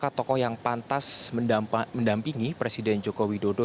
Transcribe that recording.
apakah tokoh yang pantas mendampingi presiden joko widodo